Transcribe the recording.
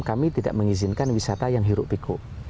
kami tidak mengizinkan wisata yang hirup piku